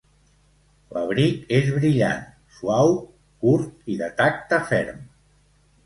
L'abric és brillant, suau, curt i de tacte ferm.